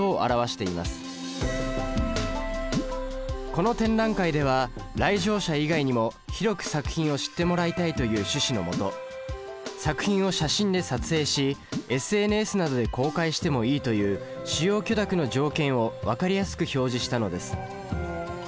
この展覧会では来場者以外にも広く作品を知ってもらいたいという趣旨のもと作品を写真で撮影しＳＮＳなどで公開してもいいという使用許諾の条件を分かりやすく表示したのです。